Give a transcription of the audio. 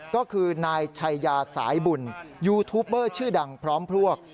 ก็คือนายชัยยาสายบุญยูทูปเบอร์ชื่อดังพร้อมพวก